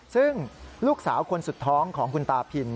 ซึ่งลูกสาวคนสุดท้องของคุณตาพิน